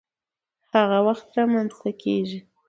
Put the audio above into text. هغه وخت رامنځته کيږي،